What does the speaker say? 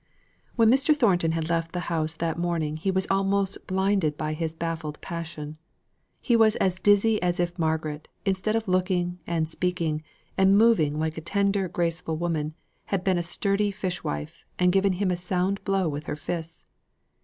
When Mr. Thornton had left the house that morning he was almost blinded by his baffled passion. He was as dizzy as if Margaret, instead of looking, and speaking, and moving like a tender graceful woman, had been a sturdy fish wife, and given him a sound blow with her fists.